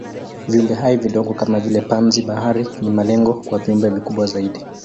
Viumbehai vidogo kama vile panzi-bahari ni malengo kwa viumbe vikubwa zaidi.